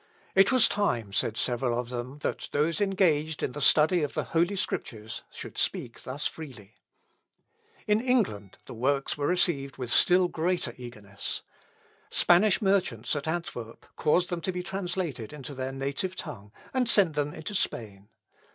"It was time," said several of them, "that those engaged in the study of the Holy Scriptures should speak thus freely." In England the Works were received with still greater eagerness. Spanish merchants at Antwerp caused them to be translated into their native tongue, and sent them into Spain.